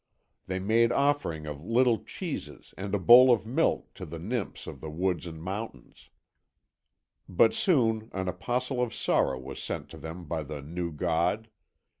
They made offering of little cheeses and a bowl of milk to the Nymphs of the woods and mountains. "But soon an apostle of sorrow was sent to them by the new God.